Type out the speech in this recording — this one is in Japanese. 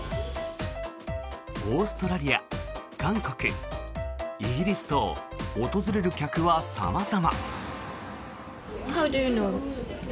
オーストラリア、韓国イギリスと訪れる客は様々。